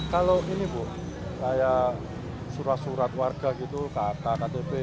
kalau ini bu kayak surat surat warga gitu kakak ktp